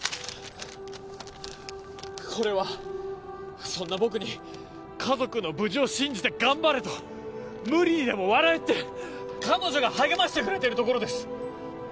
これはそんな僕に「家族の無事を信じて頑張れ」と「無理にでも笑え」って彼女が励ましてくれてるところです！